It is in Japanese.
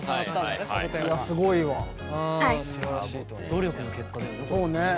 努力の結果だよねこれね。